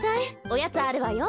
おやつあるわよ。